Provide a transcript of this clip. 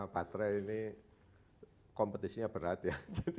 baterai ini kompetisinya berat ya